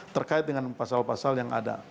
terkait dengan pasal pasal yang ada